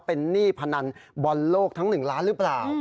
เป็นหนี้พนันบอลโลกทั้ง๑ล้านหรือเปล่า